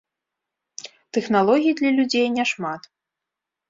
Тэхналогій для людзей не шмат.